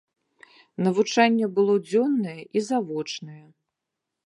Навучанне было дзённае і завочнае.